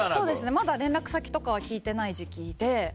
まだ連絡先とかは聞いてない時期で。